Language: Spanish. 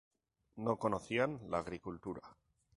No conocían la agricultura.